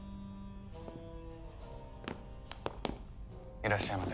いらっしゃいませ。